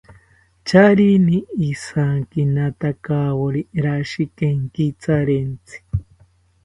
Charini ijankinatakawori rashi kenkitharentzi